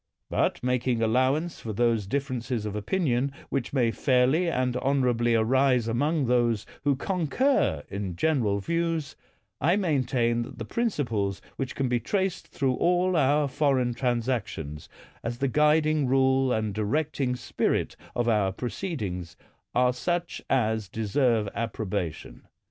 But, making allowance for those differences of opinion which may fairly and honorably arise among those who concur in general views, I maintain that the principles which can be traced through all our foreign transactions, as the guiding rule and directing spirit of our pro ceedings, are such as deserve approbation.